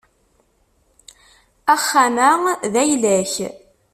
Axxam-a d ayla-k?